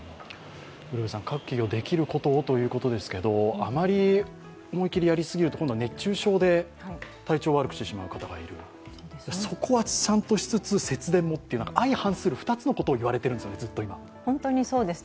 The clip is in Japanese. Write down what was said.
各企業、できることをということですけどもあまり思い切りやりすぎると、熱中症で体調を崩してしまう人がいる、そこはちゃんとしつつ、節電もと、相反する２つのことを言われている気がします。